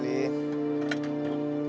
tidak ada apa apa